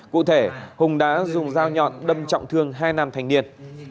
cụ thể hùng đã dùng dao nhọn đâm trọng thương hai nam thanh niên